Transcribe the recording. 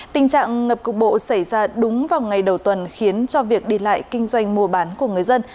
tình trạng ngập cục bộ xảy ra đúng vào ngày đầu tuần khiến cho việc đi lại kinh doanh mua bán của người dân